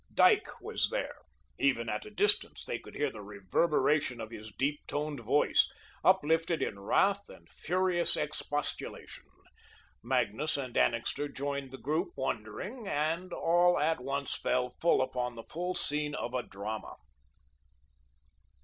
Dyke was there even at a distance they could hear the reverberation of his deep toned voice, uplifted in wrath and furious expostulation. Magnus and Annixter joined the group wondering, and all at once fell full upon the first scene of a drama.